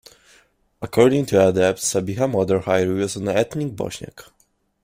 According to Adatepe, Sabiha's mother Hayriye was an ethnic Bosniak.